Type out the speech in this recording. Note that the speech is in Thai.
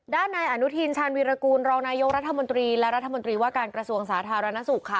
นายอนุทินชาญวีรกูลรองนายกรัฐมนตรีและรัฐมนตรีว่าการกระทรวงสาธารณสุขค่ะ